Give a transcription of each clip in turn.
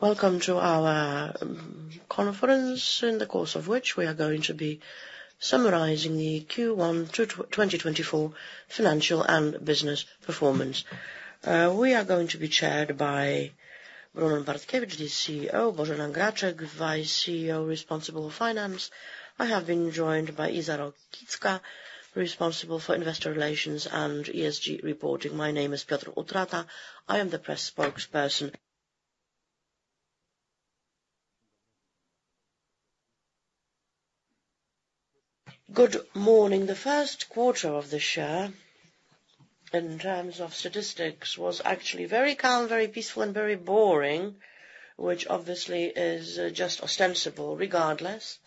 Welcome to our conference, in the course of which we are going to be summarizing the Q1 2024 financial and business performance. We are going to be chaired by Brunon Bartkiewicz, the CEO, Bożena Graczyk, Vice CEO, responsible for finance. I have been joined by Iza Rokicka, responsible for investor relations and ESG reporting. My name is Piotr Utrata. I am the press spokesperson. Good morning. The first quarter of this year, in terms of statistics, was actually very calm, very peaceful, and very boring, which obviously is just ostensible. Regardless,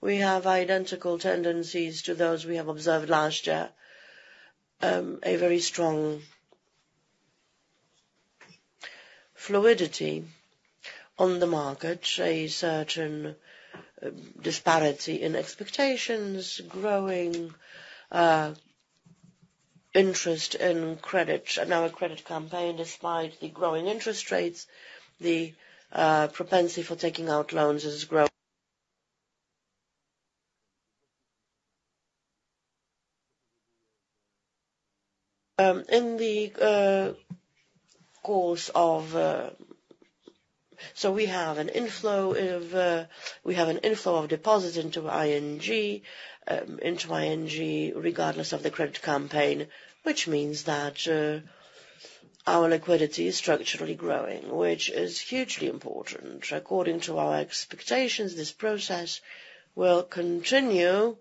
we have identical tendencies to those we have observed last year. A very strong fluidity on the market, a certain disparity in expectations, growing interest in credit and our credit campaign. Despite the growing interest rates, the propensity for taking out loans has grown. So we have an inflow of deposits into ING, into ING, regardless of the credit campaign, which means that our liquidity is structurally growing, which is hugely important. According to our expectations, this process will continue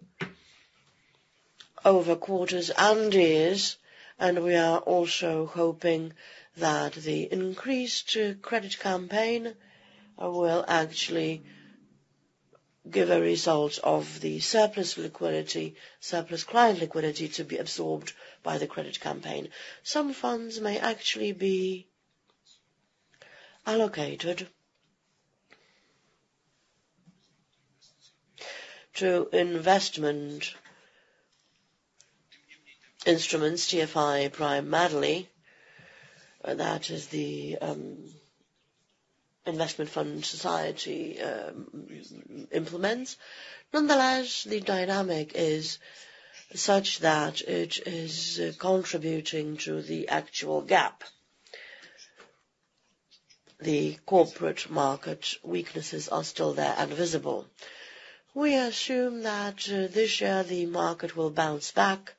over quarters and years, and we are also hoping that the increase to credit campaign will actually give a result of the surplus liquidity, surplus client liquidity, to be absorbed by the credit campaign. Some funds may actually be allocated to investment instruments, TFI, primarily. That is the investment fund society, implements. Nonetheless, the dynamic is such that it is contributing to the actual gap. The corporate market weaknesses are still there and visible. We assume that this year, the market will bounce back.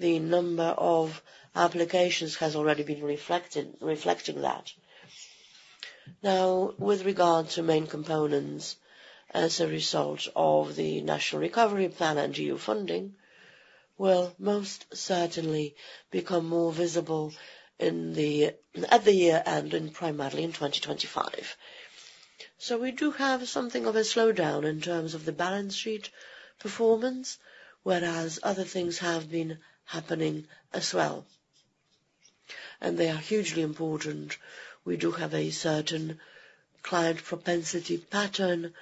The number of applications has already been reflected, reflecting that. Now, with regard to main components, as a result of the National Recovery Plan and EU funding, will most certainly become more visible in the year and primarily in 2025. So we do have something of a slowdown in terms of the balance sheet performance, whereas other things have been happening as well, and they are hugely important. We do have a certain client propensity pattern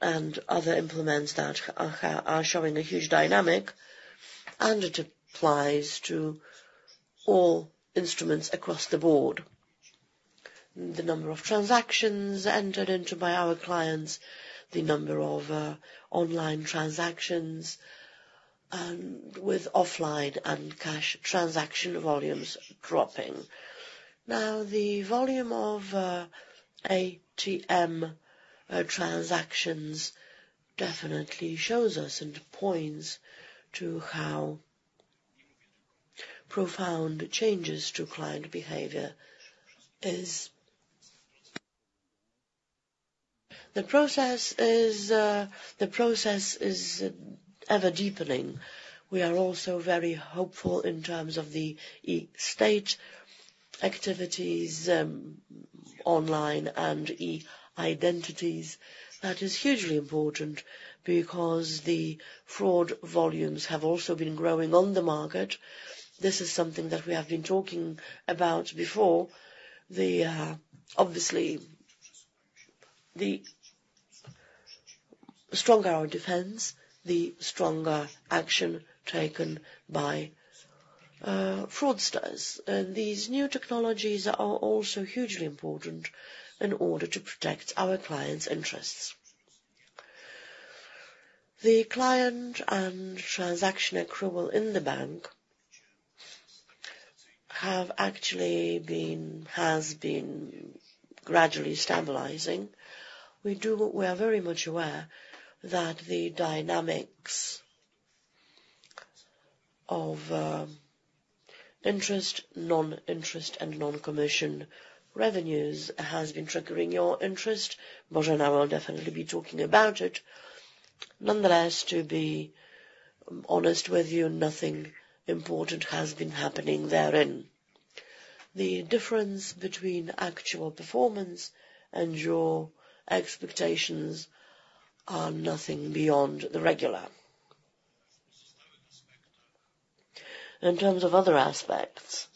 and other implements that are showing a huge dynamic, and it applies to all instruments across the board. The number of transactions entered into by our clients, the number of online transactions, and with offline and cash transaction volumes dropping. Now, the volume of ATM transactions definitely shows us and points to how profound changes to client behavior is. The process is ever-deepening. We are also very hopeful in terms of the e-state activities, online and e-identities. That is hugely important because the fraud volumes have also been growing on the market. This is something that we have been talking about before. The, obviously, the stronger our defense, the stronger action taken by, fraudsters. And these new technologies are also hugely important in order to protect our clients' interests. The client and transaction accrual in the bank have actually been-- has been gradually stabilizing. We are very much aware that the dynamics of, interest, non-interest, and non-commission revenues has been triggering your interest. Bożena will definitely be talking about it. Nonetheless, to be honest with you, nothing important has been happening therein. The difference between actual performance and your expectations are nothing beyond the regular. In terms of other aspects,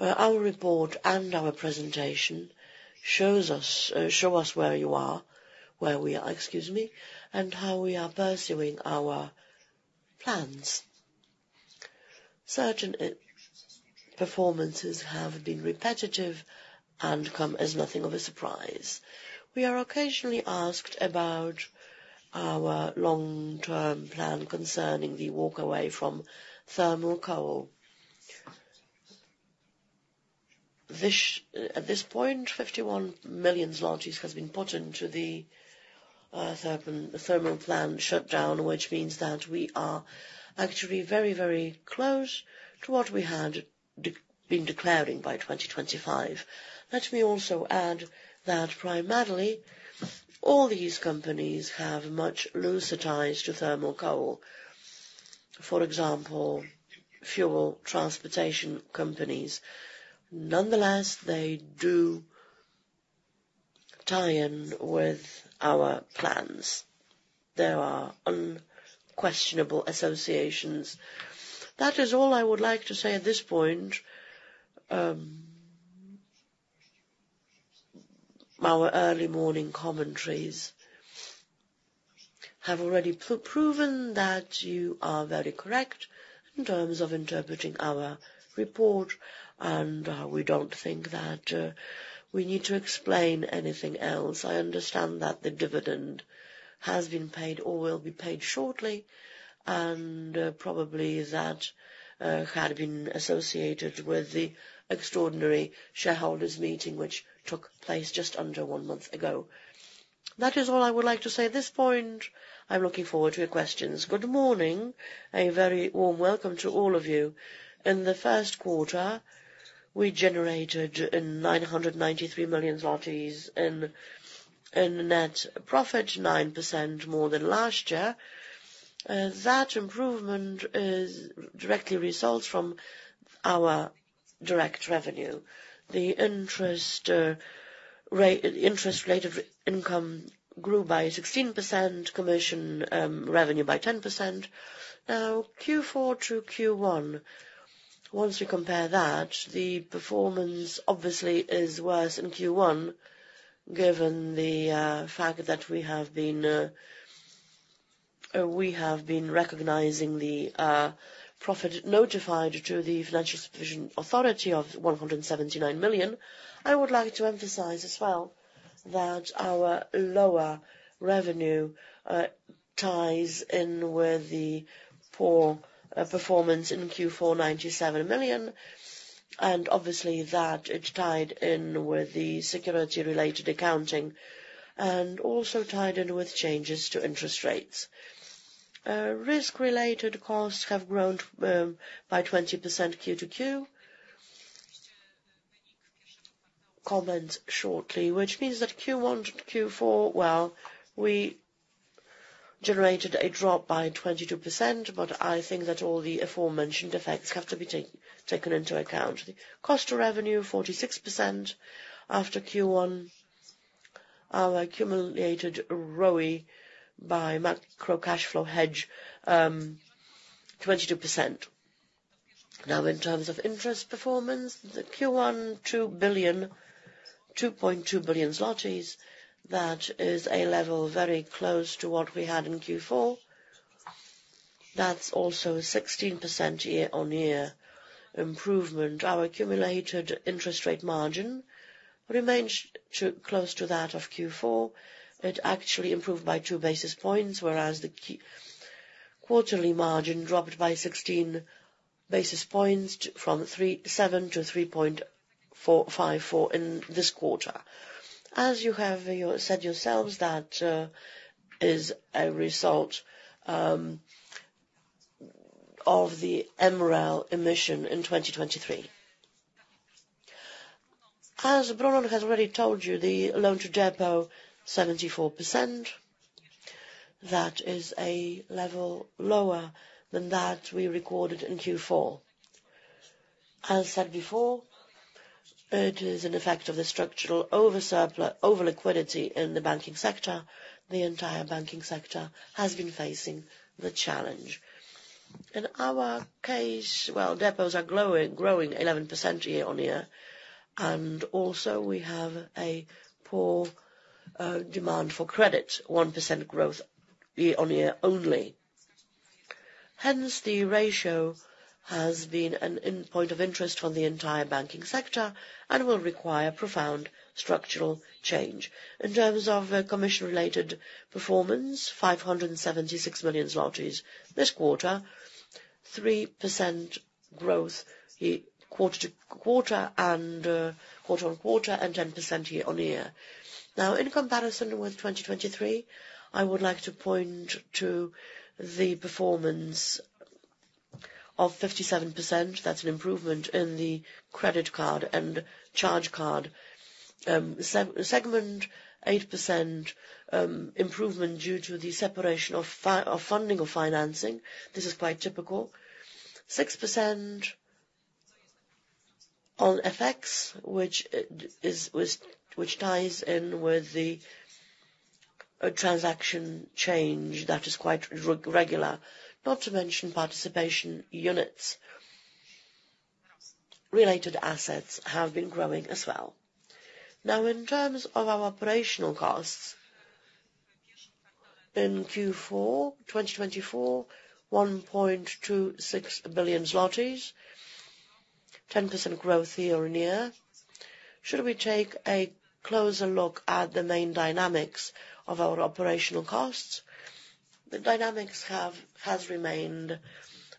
our report and our presentation shows us, show us where we are, excuse me, and how we are pursuing our plans. Certain performances have been repetitive and come as nothing of a surprise. We are occasionally asked about our long-term plan concerning the walk away from thermal coal. This, at this point, 51 million zlotys has been put into the thermal plant shutdown, which means that we are actually very, very close to what we had been declaring by 2025. Let me also add that primarily, all these companies have much looser ties to thermal coal. For example, fuel transportation companies. Nonetheless, they do tie in with our plans. There are unquestionable associations. That is all I would like to say at this point. Our early morning commentaries have already proven that you are very correct in terms of interpreting our report, and we don't think that we need to explain anything else. I understand that the dividend has been paid or will be paid shortly, and probably that had been associated with the extraordinary shareholders meeting, which took place just under one month ago. That is all I would like to say at this point. I'm looking forward to your questions. Good morning, a very warm welcome to all of you. In the first quarter, we generated 993 million zlotys in net profit, 9% more than last year. That improvement directly results from our direct revenue. The interest rate of income grew by 16%, commission revenue by 10%. Now, Q4 to Q1, once you compare that, the performance obviously is worse in Q1, given the fact that we have been recognizing the profit notified to the Financial Supervision Authority of 179 million. I would like to emphasize as well, that our lower revenue ties in with the poor performance in Q4, 97 million, and obviously, that it tied in with the security-related accounting, and also tied in with changes to interest rates. Risk-related costs have grown by 20% Q-to-Q. Comment shortly, which means that Q1 to Q4, well, we generated a drop by 22%, but I think that all the aforementioned effects have to be taken into account. Cost to revenue, 46% after Q1. Our accumulated ROE by macro cash flow hedge, 22%. Now, in terms of interest performance, the Q1, 2 billion, 2.2 billion zlotys, that is a level very close to what we had in Q4. That's also a 16% year-on-year improvement. Our accumulated interest rate margin remains close to that of Q4. It actually improved by two basis points, whereas the quarterly margin dropped by 16 basis points, from 3.7-3.54 in this quarter. As you have said yourselves, that is a result of the MREL emission in 2023. As Bruno has already told you, the loan-to-deposit 74%. That is a level lower than that we recorded in Q4. As said before, it is an effect of the structural oversupply overliquidity in the banking sector. The entire banking sector has been facing the challenge. In our case, well, deposits are growing 11% year-over-year, and also, we have a poor demand for credit, 1% growth year-over-year only. Hence, the ratio has been a point of interest on the entire banking sector and will require profound structural change. In terms of commission-related performance, 576 million. This quarter, 3% growth, quarter-over-quarter, and quarter-over-quarter and 10% year-over-year. Now, in comparison with 2023, I would like to point to the performance of 57%. That's an improvement in the credit card and charge card segment, 8% improvement due to the separation of funding of financing. This is quite typical. 6% on FX, which is, was- which ties in with the transaction change. That is quite regular, not to mention participation units. Related assets have been growing as well. Now, in terms of our operational costs. In Q4 2024, PLN 1.26 billion, 10% growth year-over-year. Should we take a closer look at the main dynamics of our operational costs? The dynamics has remained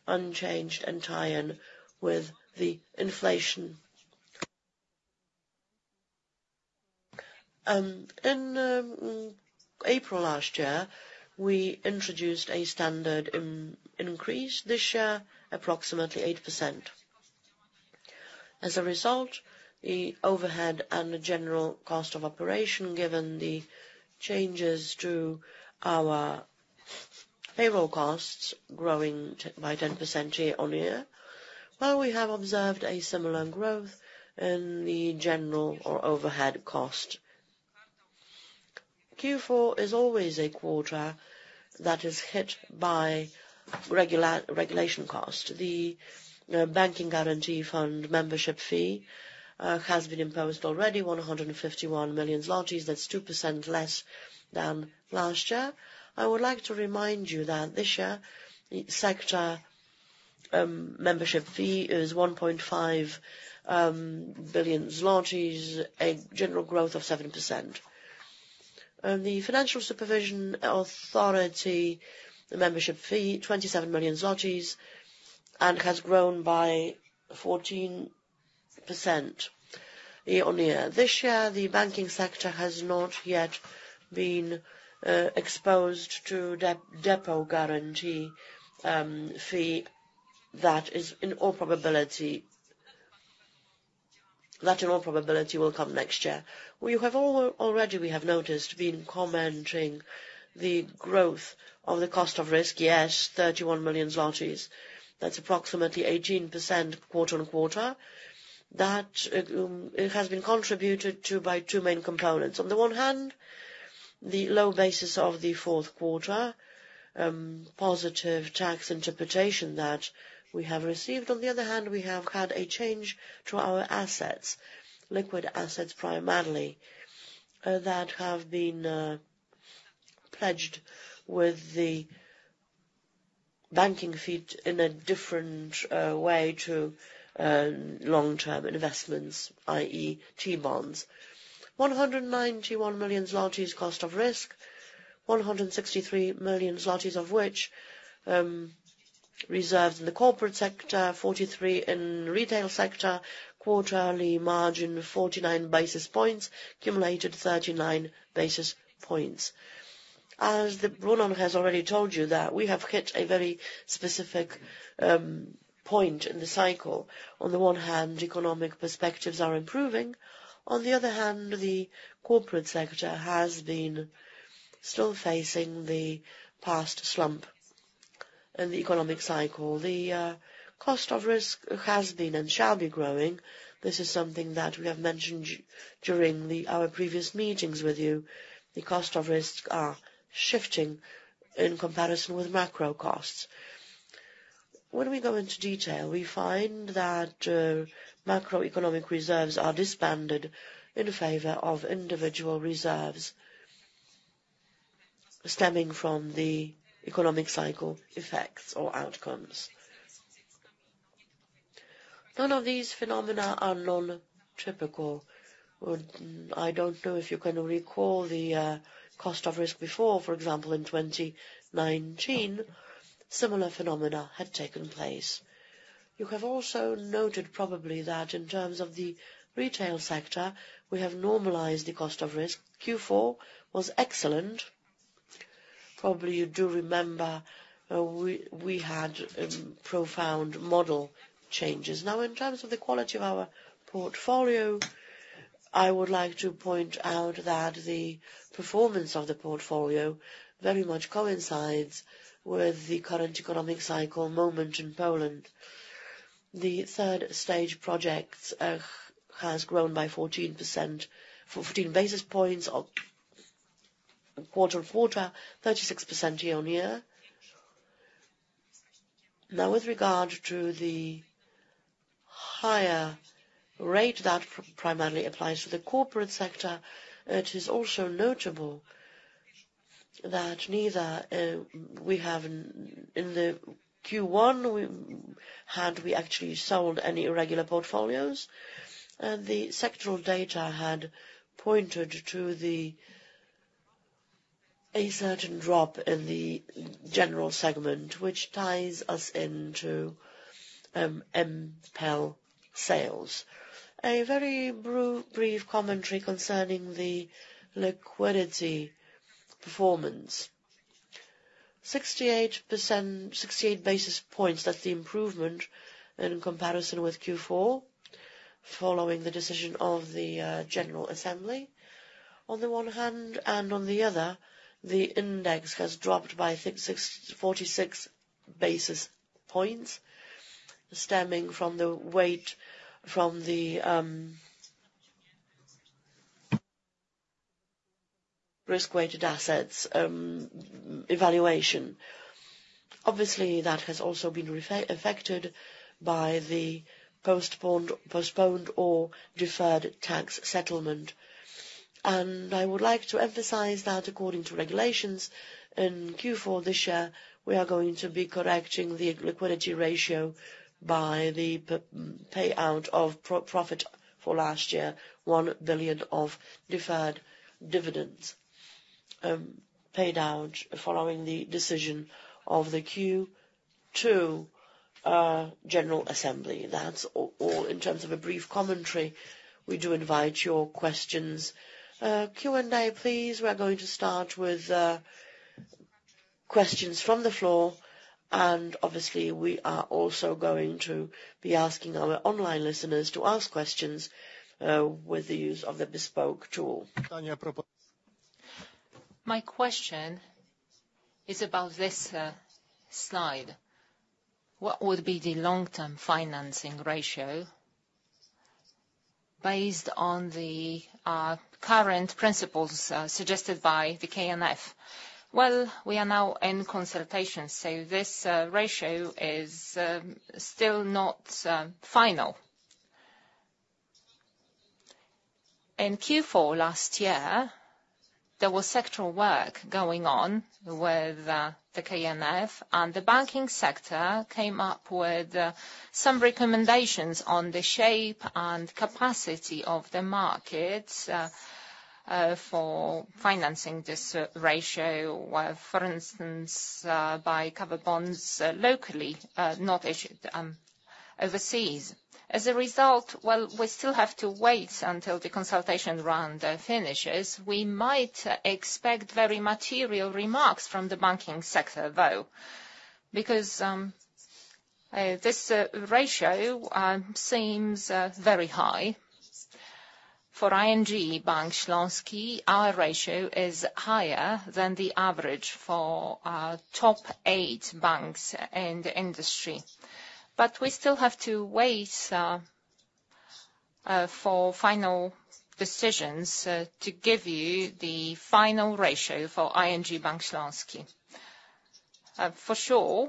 unchanged and tie in with the inflation. In April last year, we introduced a standard increase this year, approximately 8%. As a result, the overhead and the general cost of operation, given the changes to our payroll costs, growing by 10% year-over-year. Well, we have observed a similar growth in the general or overhead cost. Q4 is always a quarter that is hit by regular regulation cost. The Bank Guarantee Fund membership fee has been imposed already, 151 million zlotys. That's 2% less than last year. I would like to remind you that this year, the sector membership fee is 1.5 billion zlotys, a general growth of 7%. The Financial Supervision Authority membership fee, 27 million zlotys, and has grown by 14% year-on-year. This year, the banking sector has not yet been exposed to deposit guarantee fee. That in all probability will come next year. We have already, we have noticed, been commenting the growth of the cost of risk. Yes, 31 million zlotys, that's approximately 18% quarter-on-quarter. That it has been contributed to by two main components. On the one hand, the low basis of the fourth quarter positive tax interpretation that we have received. On the other hand, we have had a change to our assets, liquid assets primarily, that have been pledged with the BFG in a different way to long-term investments, i.e. T-bonds. 191 million zlotys cost of risk, 163 million zlotys, of which reserved in the corporate sector, 43 million in retail sector, quarterly margin 49 basis points, accumulated 39 basis points. As Brunon has already told you that we have hit a very specific point in the cycle. On the one hand, economic perspectives are improving. On the other hand, the corporate sector has been still facing the past slump in the economic cycle. The cost of risk has been and shall be growing. This is something that we have mentioned during our previous meetings with you. The cost of risks are shifting in comparison with macro costs. When we go into detail, we find that macroeconomic reserves are disbanded in favor of individual reserves stemming from the economic cycle effects or outcomes. None of these phenomena are non-typical. I don't know if you can recall the cost of risk before. For example, in 2019, similar phenomena had taken place. You have also noted probably that in terms of the retail sector, we have normalized the cost of risk. Q4 was excellent. Probably, you do remember we had profound model changes. Now, in terms of the quality of our portfolio, I would like to point out that the performance of the portfolio very much coincides with the current economic cycle moment in Poland. The third stage projects has grown by 14%, 14 basis points quarter-on-quarter, 36% year-on-year. Now, with regard to the higher rate that primarily applies to the corporate sector, it is also notable that neither we have in the Q1, we actually sold any irregular portfolios, and the sectoral data had pointed to a certain drop in the general segment, which ties us into NPL sales. A very brief commentary concerning the liquidity performance. 68%, 68 basis points, that's the improvement in comparison with Q4, following the decision of the general assembly, on the one hand, and on the other, the index has dropped by I think 46 basis points stemming from the weight from the risk-weighted assets evaluation. ...Obviously, that has also been affected by the postponed or deferred tax settlement. And I would like to emphasize that according to regulations, in Q4 this year, we are going to be correcting the liquidity ratio by the payout of profit for last year, 1 billion of deferred dividends, paid out following the decision of the Q2 general assembly. That's all in terms of a brief commentary. We do invite your questions. Q&A, please. We are going to start with questions from the floor, and obviously, we are also going to be asking our online listeners to ask questions with the use of the bespoke tool. My question is about this slide. What would be the long-term financing ratio based on the current principles suggested by the KNF? Well, we are now in consultation, so this ratio is still not final. In Q4 last year, there was sectoral work going on with the KNF, and the banking sector came up with some recommendations on the shape and capacity of the market for financing this ratio, for instance, by covered bonds, locally, not issued overseas. As a result, while we still have to wait until the consultation round finishes, we might expect very material remarks from the banking sector, though, because this ratio seems very high. For ING Bank Śląski, our ratio is higher than the average for our top eight banks in the industry. But we still have to wait for final decisions to give you the final ratio for ING Bank Śląski. For sure,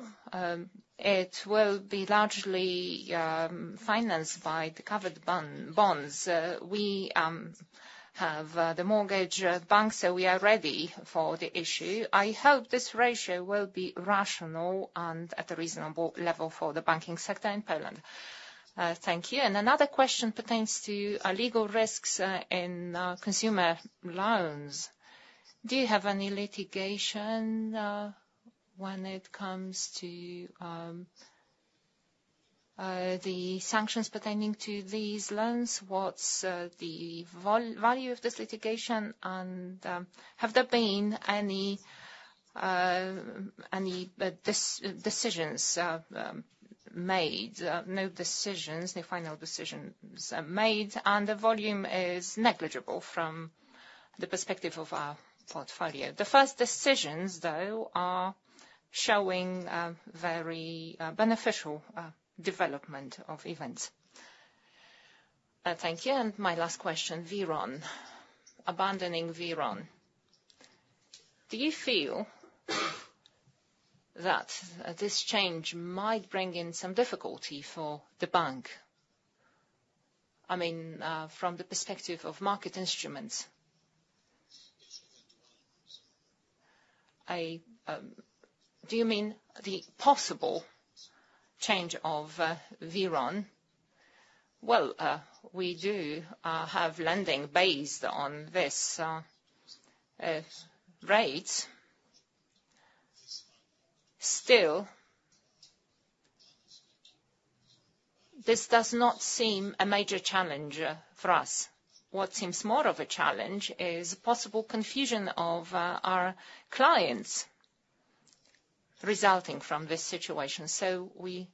it will be largely financed by the covered bonds. We have the mortgage bank, so we are ready for the issue. I hope this ratio will be rational and at a reasonable level for the banking sector in Poland. Thank you. Another question pertains to legal risks in consumer loans. Do you have any litigation when it comes to the sanctions pertaining to these loans? What's the value of this litigation, and have there been any decisions made? No decisions, no final decisions are made, and the volume is negligible from the perspective of our portfolio. The first decisions, though, are showing very beneficial development of events. Thank you, and my last question, WIRON. Abandoning WIRON, do you feel that this change might bring in some difficulty for the bank? I mean, from the perspective of market instruments. Do you mean the possible change of WIRON? Well, we do have lending based on this rate. Still, this does not seem a major challenge for us. What seems more of a challenge is possible confusion of our clients resulting from this situation. So we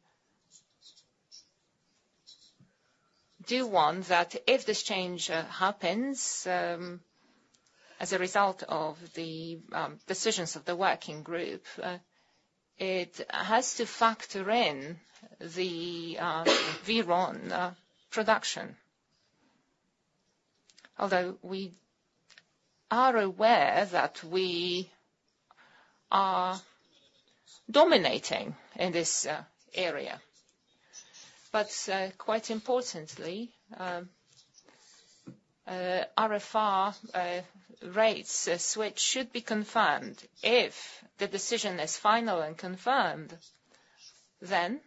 do want that if this change happens, as a result of the decisions of the working group, it has to factor in the WIRON production. Although we are aware that we are dominating in this area. But, quite importantly, RFR rates, this switch should be confirmed. If the decision is final and confirmed, then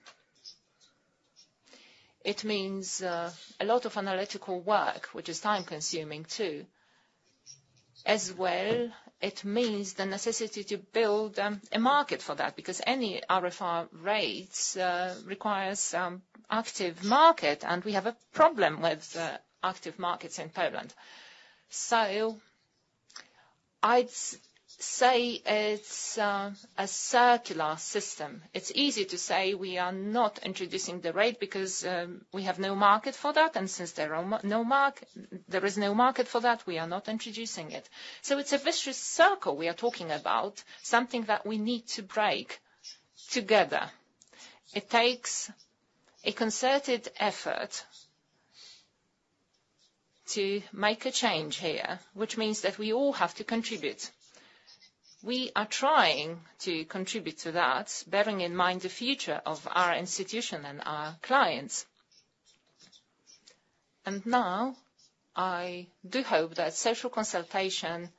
it means a lot of analytical work, which is time-consuming, too. As well, it means the necessity to build a market for that, because any RFR rates requires active market, and we have a problem with active markets in Poland. So I'd say it's a circular system. It's easy to say we are not introducing the rate because we have no market for that, and since there is no market for that, we are not introducing it. So it's a vicious circle we are talking about, something that we need to break together. It takes a concerted effort to make a change here, which means that we all have to contribute. We are trying to contribute to that, bearing in mind the future of our institution and our clients. And now, I do hope that social consultation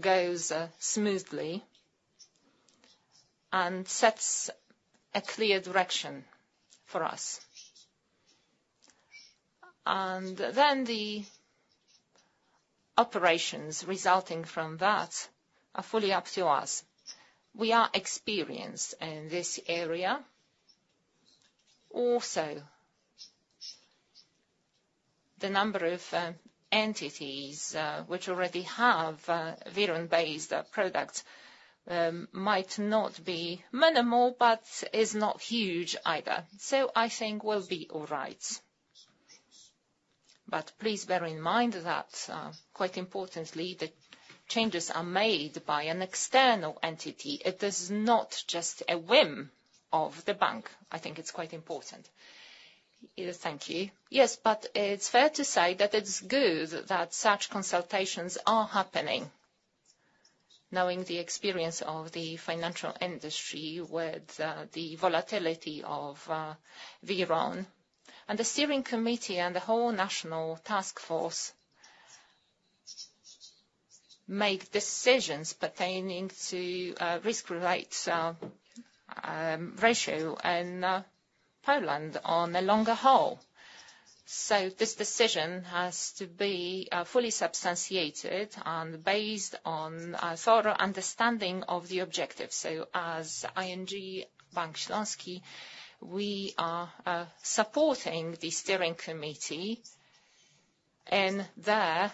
goes smoothly and sets a clear direction for us. And then the operations resulting from that are fully up to us. We are experienced in this area. Also, the number of entities which already have WIRON-based products might not be minimal, but is not huge either, so I think we'll be all right. But please bear in mind that quite importantly, the changes are made by an external entity. It is not just a whim of the bank. I think it's quite important. Thank you. Yes, but it's fair to say that it's good that such consultations are happening, knowing the experience of the financial industry with the volatility of WIRON. And the steering committee and the whole national task force make decisions pertaining to risk-related ratio in Poland on the long haul. So this decision has to be fully substantiated and based on a thorough understanding of the objective. So as ING Bank Śląski, we are supporting the steering committee in their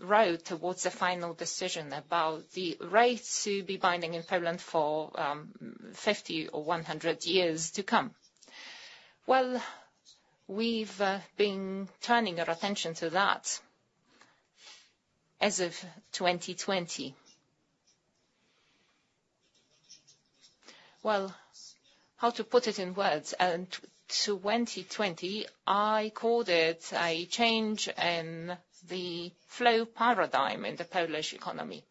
road towards a final decision about the rates to be binding in Poland for 50 or 100 years to come. Well, we've been turning our attention to that as of 2020. Well, how to put it in words? 2020, I called it a change in the flow paradigm in the Polish economy.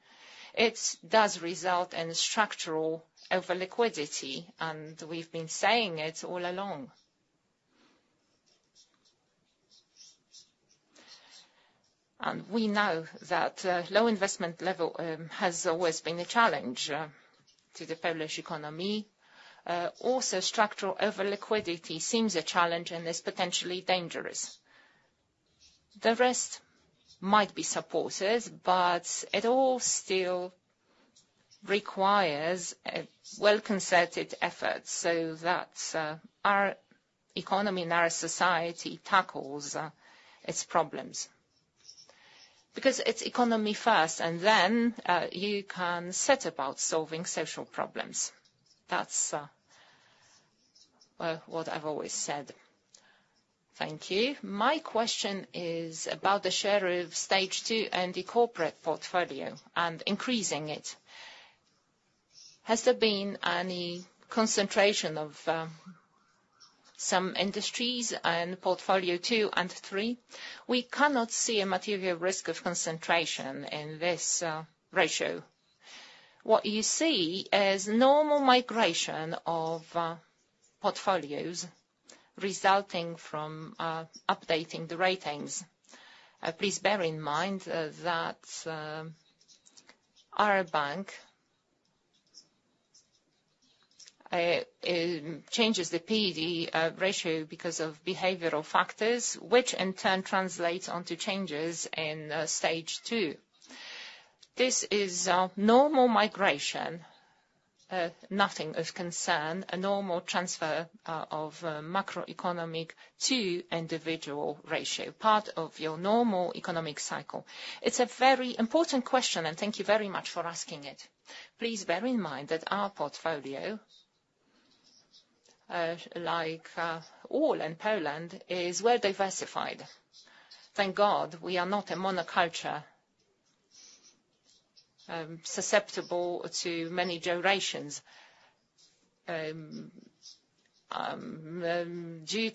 It does result in structural overliquidity, and we've been saying it all along. We know that low investment level has always been a challenge to the Polish economy. Also, structural over liquidity seems a challenge and is potentially dangerous. The rest might be supported, but it all still requires a well-concerted effort so that our economy and our society tackles its problems. Because it's economy first, and then you can set about solving social problems. That's well what I've always said. Thank you. My question is about the share of stage two and the corporate portfolio, and increasing it. Has there been any concentration of some industries in portfolio two and three? We cannot see a material risk of concentration in this ratio. What you see is normal migration of portfolios resulting from updating the ratings. Please bear in mind that our bank changes the PD ratio because of behavioral factors, which in turn translates onto changes in stage two. This is a normal migration, nothing of concern, a normal transfer of macroeconomic to individual ratio, part of your normal economic cycle. It's a very important question, and thank you very much for asking it. Please bear in mind that our portfolio, like all in Poland, is well diversified. Thank God we are not a monoculture, susceptible to many generations due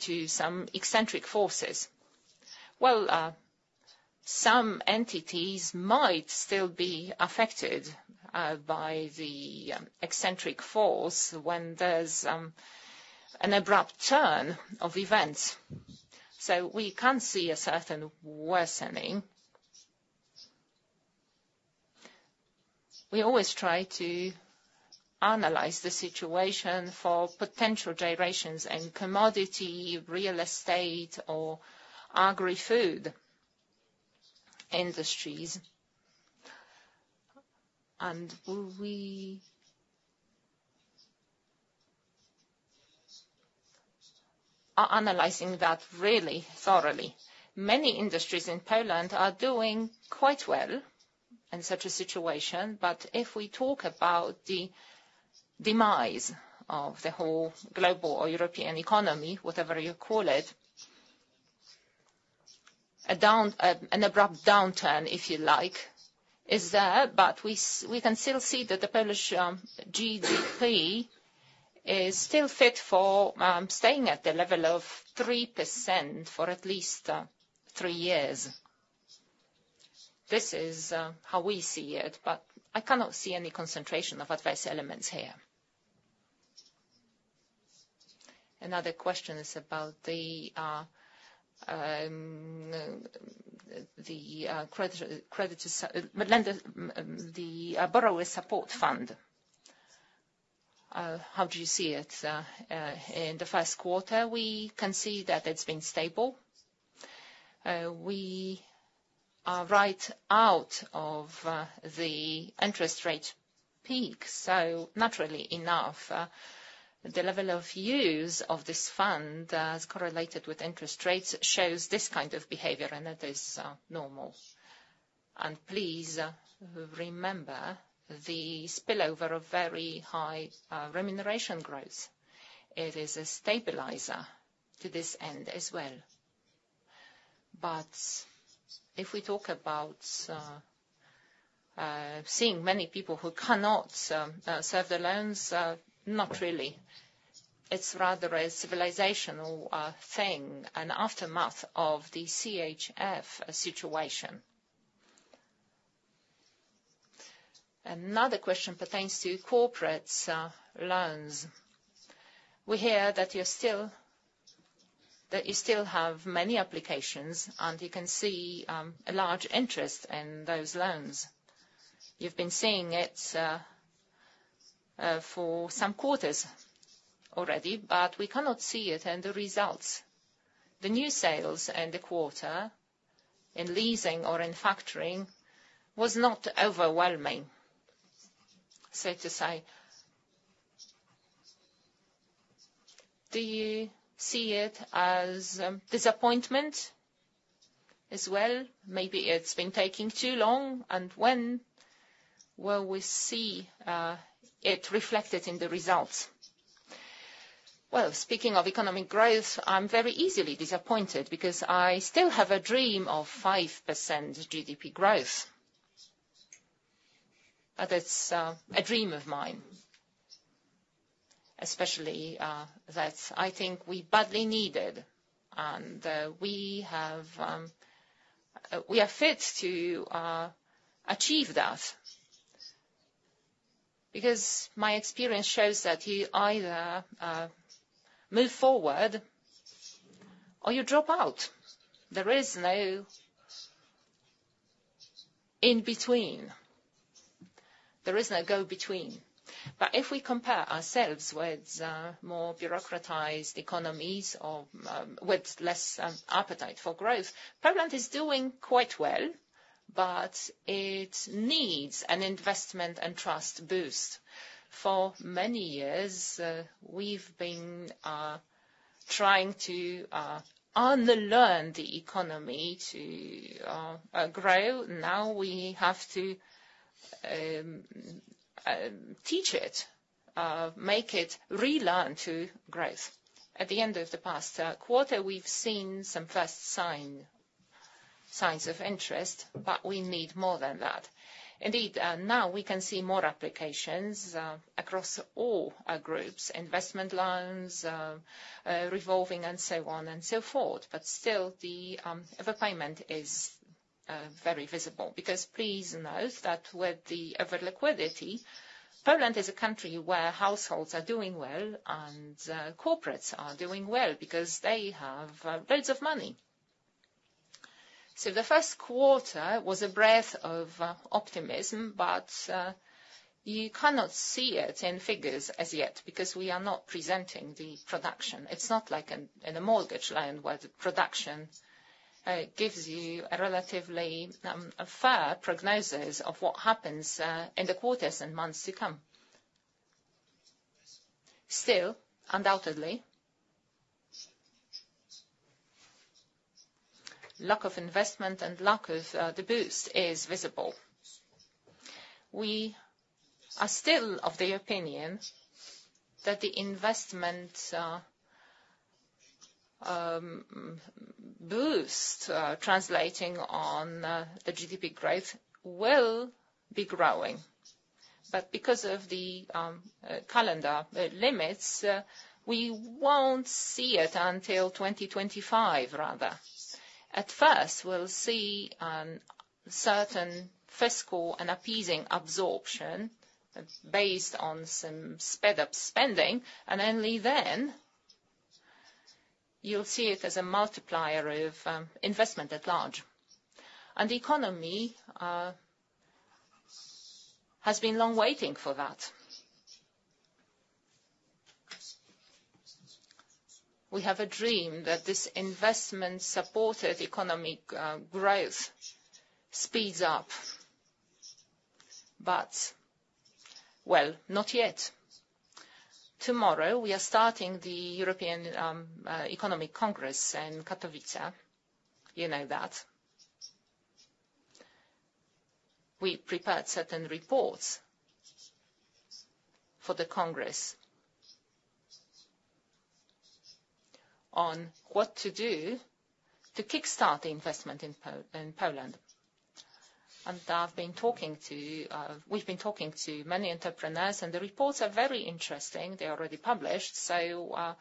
to some eccentric forces. Well, some entities might still be affected by the eccentric force when there's an abrupt turn of events, so we can see a certain worsening. We always try to analyze the situation for potential generations in commodity, real estate, or agri-food industries. And we are analyzing that really thoroughly. Many industries in Poland are doing quite well in such a situation, but if we talk about the demise of the whole global or European economy, whatever you call it, an abrupt downturn, if you like, is there, but we can still see that the Polish GDP is still fit for staying at the level of 3% for at least three years. This is how we see it, but I cannot see any concentration of adverse elements here. Another question is about the credit lender, the Borrower Support Fund. How do you see it? In the first quarter, we can see that it's been stable. We are right out of the interest rate peak, so naturally enough, the level of use of this fund, as correlated with interest rates, shows this kind of behavior, and that is normal. Please remember the spillover of very high remuneration growth. It is a stabilizer to this end as well. But if we talk about seeing many people who cannot serve their loans, not really. It's rather a civilizational thing, an aftermath of the CHF situation. Another question pertains to corporate loans. We hear that you still have many applications, and you can see a large interest in those loans. You've been seeing it for some quarters already, but we cannot see it in the results. The new sales in the quarter, in leasing or in factoring, was not overwhelming, so to say. Do you see it as disappointment as well? Maybe it's been taking too long, and when will we see it reflected in the results? Well, speaking of economic growth, I'm very easily disappointed, because I still have a dream of 5% GDP growth. But it's a dream of mine, especially that I think we badly need it, and we are fit to achieve that. Because my experience shows that you either move forward or you drop out. There is no in between. There is no go between. But if we compare ourselves with more bureaucratized economies or with less appetite for growth, Poland is doing quite well, but it needs an investment and trust boost. For many years, we've been trying to unlearn the economy to grow. Now we have to teach it, make it relearn to growth. At the end of the past quarter, we've seen some first sign, signs of interest, but we need more than that. Indeed, now we can see more applications across all our groups, investment loans, revolving, and so on and so forth, but still, the over-payment is very visible. Because please note that with the over liquidity, Poland is a country where households are doing well, and corporates are doing well because they have loads of money. So the first quarter was a breath of optimism, but you cannot see it in figures as yet, because we are not presenting the production. It's not like in a mortgage loan, where the production gives you a relatively fair prognosis of what happens in the quarters and months to come. Still, undoubtedly, lack of investment and lack of the boost is visible. We are still of the opinion that the investment boost translating on the GDP growth will be growing. But because of the calendar limits, we won't see it until 2025, rather. At first, we'll see certain fiscal and appeasing absorption based on some sped-up spending, and only then you'll see it as a multiplier of investment at large. And the economy has been long waiting for that. We have a dream that this investment-supported economic growth speeds up, but, well, not yet. Tomorrow, we are starting the European Economic Congress in Katowice. You know that. We prepared certain reports for the congress on what to do to kickstart the investment in Poland. And we've been talking to many entrepreneurs, and the reports are very interesting. They're already published, so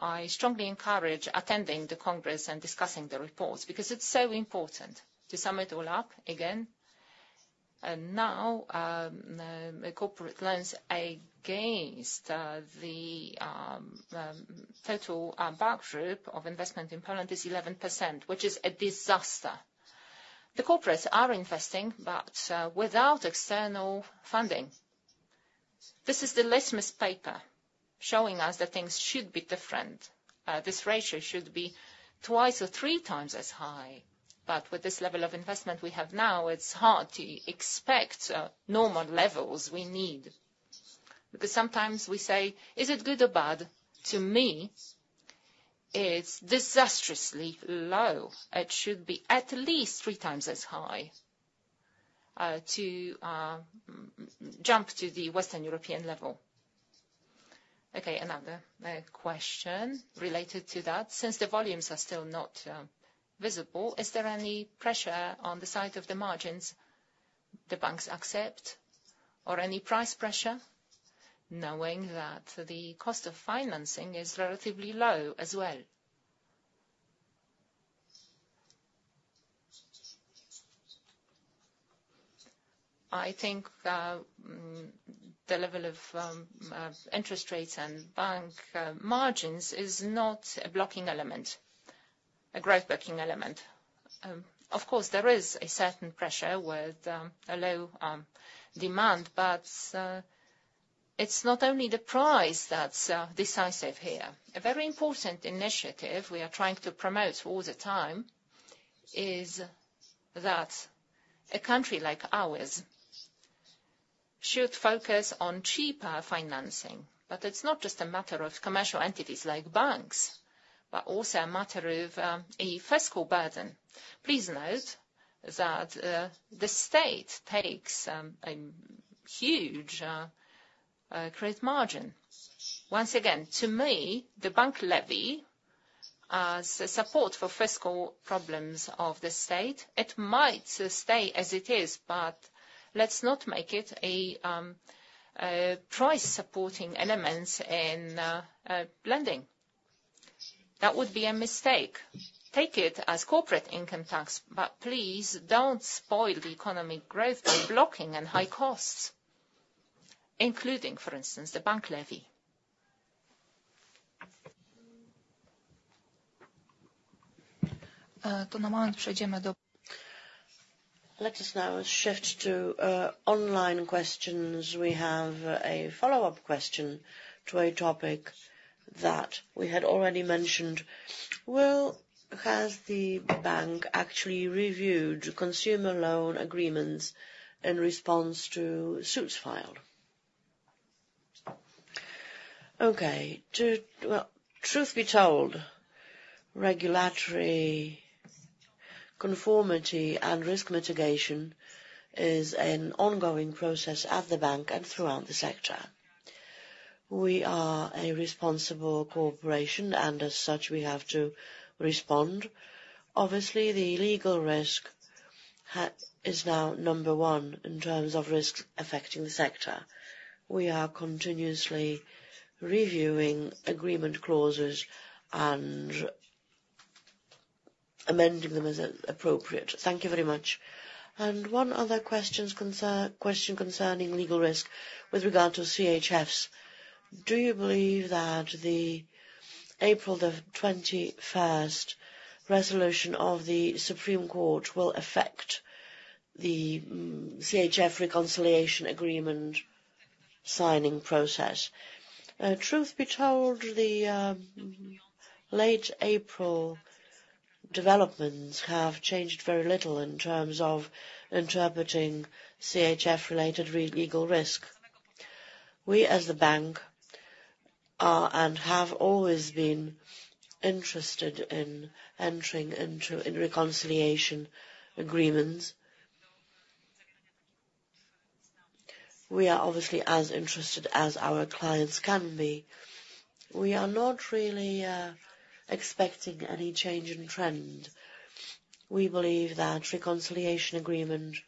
I strongly encourage attending the congress and discussing the reports, because it's so important. To sum it all up, again, and now, the corporate loans against the total backdrop of investment in Poland is 11%, which is a disaster. The corporates are investing, but without external funding. This is the litmus paper showing us that things should be different. This ratio should be twice or three times as high. But with this level of investment we have now, it's hard to expect normal levels we need. Because sometimes we say, "Is it good or bad?" To me, it's disastrously low. It should be at least three times as high, to jump to the Western European level. Okay, another question related to that: Since the volumes are still not visible, is there any pressure on the side of the margins the banks accept or any price pressure, knowing that the cost of financing is relatively low as well? I think, the level of interest rates and bank margins is not a blocking element, a growth-blocking element. Of course, there is a certain pressure with a low demand, but it's not only the price that's decisive here. A very important initiative we are trying to promote all the time is that a country like ours should focus on cheaper financing. But it's not just a matter of commercial entities like banks, but also a matter of a fiscal burden. Please note that, the state takes a huge credit margin. Once again, to me, the bank levy support for fiscal problems of the state, it might stay as it is, but let's not make it a a price-supporting elements in lending. That would be a mistake. Take it as corporate income tax, but please don't spoil the economic growth by blocking and high costs, including, for instance, the bank levy. Let us now shift to online questions. We have a follow-up question to a topic that we had already mentioned. Well, has the bank actually reviewed consumer loan agreements in response to suits filed? Okay, well, truth be told, regulatory conformity and risk mitigation is an ongoing process at the bank and throughout the sector. We are a responsible corporation, and as such, we have to respond. Obviously, the legal risk is now number one in terms of risks affecting the sector. We are continuously reviewing agreement clauses and amending them as appropriate. Thank you very much. One other question concerning legal risk with regard to CHFs. Do you believe that the April the 21st resolution of the Supreme Court will affect the CHF reconciliation agreement signing process? Truth be told, the late April developments have changed very little in terms of interpreting CHF-related legal risk. We, as the bank, are and have always been interested in entering into reconciliation agreements. We are obviously as interested as our clients can be. We are not really expecting any change in trend. We believe that reconciliation agreements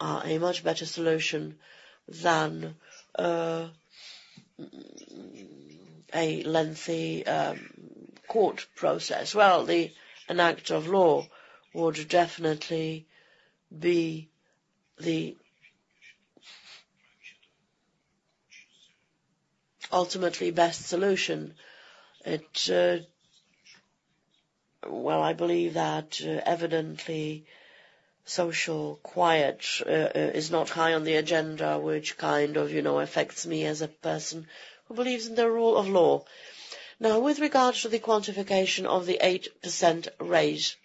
are a much better solution than a lengthy court process. Well, an act of law would definitely be the ultimate best solution. It... Well, I believe that evidently, social quiet is not high on the agenda, which kind of, you know, affects me as a person who believes in the rule of law. Now, with regards to the quantification of the 8% raise,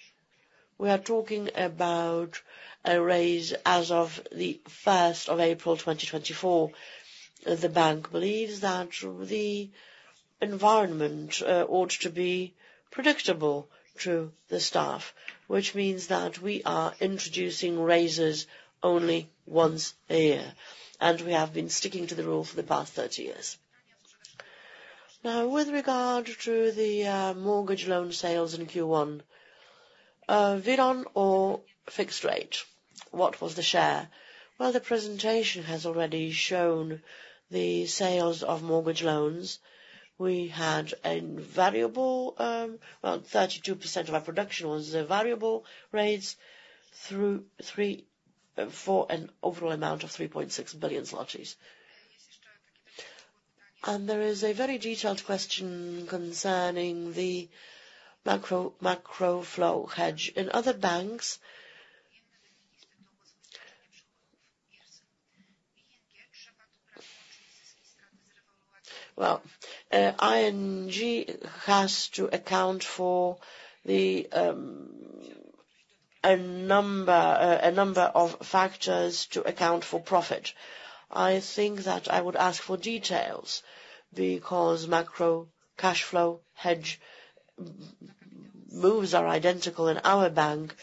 we are talking about a raise as of the first of April 2024. The bank believes that the-... environment ought to be predictable to the staff, which means that we are introducing raises only once a year, and we have been sticking to the rule for the past 30 years. Now, with regard to the mortgage loan sales in Q1, variable or fixed rate, what was the share? Well, the presentation has already shown the sales of mortgage loans. We had a variable, well, 32% of our production was variable rates for an overall amount of 3.6 billion zlotys. And there is a very detailed question concerning the macro cash flow hedge. In other banks, ING has to account for a number of factors to account for profit. I think that I would ask for details, because macro cash flow hedge moves are identical in our bank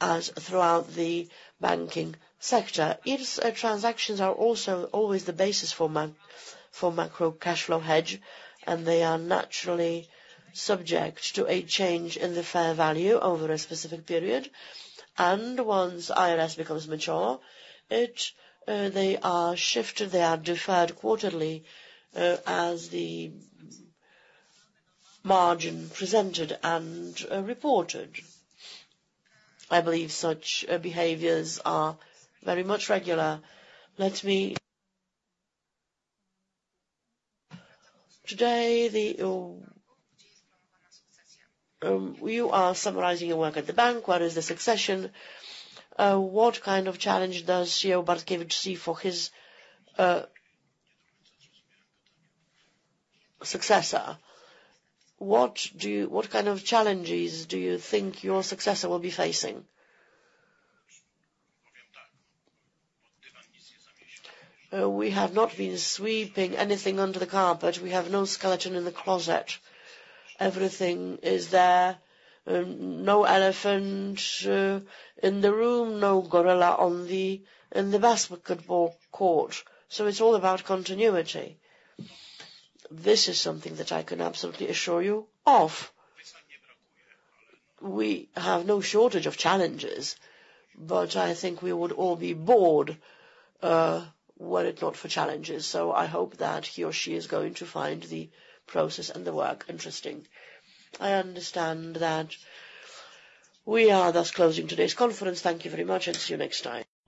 as throughout the banking sector. Its transactions are also always the basis for macro cash flow hedge, and they are naturally subject to a change in the fair value over a specific period. And once IRS becomes mature, they are shifted, they are deferred quarterly as the margin presented and reported. I believe such behaviors are very much regular. Let me. Today, you are summarizing your work at the bank. Where is the succession? What kind of challenge does CEO Bartkiewicz see for his successor? What do you -- what kind of challenges do you think your successor will be facing? We have not been sweeping anything under the carpet. We have no skeleton in the closet. Everything is there. No elephant in the room, no gorilla in the basketball court. So it's all about continuity. This is something that I can absolutely assure you of. We have no shortage of challenges, but I think we would all be bored were it not for challenges. So I hope that he or she is going to find the process and the work interesting. I understand that we are thus closing today's conference. Thank you very much, and see you next time.